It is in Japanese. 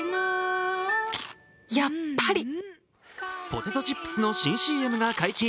ポテトチップスの新ＣＭが解禁。